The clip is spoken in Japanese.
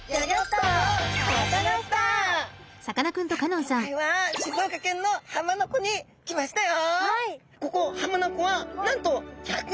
さあ今回は静岡県の浜名湖に来ましたよ！